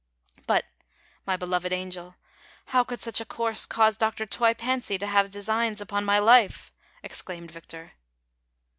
"• But, my l)eloved angel, how could such a course cause Dr. Toy Fancy to have designs upon my life V " exclaimed Victor.